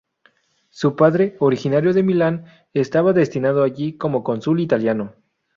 Su padre, originario de Milán, estaba destinado allí como cónsul italiano.